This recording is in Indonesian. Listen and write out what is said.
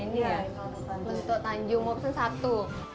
lentok tanjung mau pesan satu